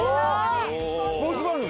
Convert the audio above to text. スポーツ番組？